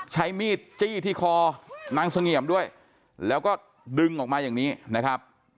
ใช้มีดจี้ที่คอนางเสงี่ยมด้วยแล้วก็ดึงออกมาอย่างนี้นะครับ